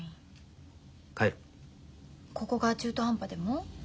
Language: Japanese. ここが中途半端でも？